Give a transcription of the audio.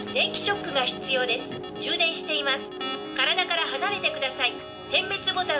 「充電しています」